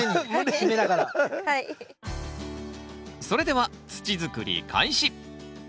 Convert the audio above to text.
それでは土づくり開始。